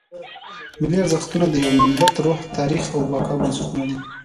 ملي ارزښتونه د یو ملت د روح، تاریخ او بقا بنسټونه دي.